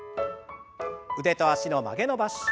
腕と脚の曲げ伸ばし。